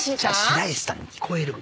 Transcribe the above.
白石さんに聞こえる！